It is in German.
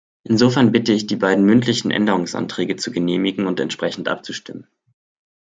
Insofern bitte ich, die beiden mündlichen Änderungsanträge zu genehmigen und entsprechend abzustimmen.